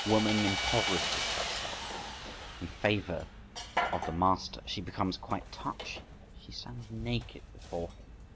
Woman impoverishes herself in favour of the Master, she becomes quite touching, she stands naked before him.